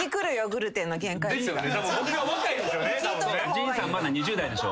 陣さんまだ２０代でしょ。